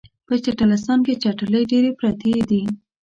په چټلستان کې چټلۍ ډیرې پراتې دي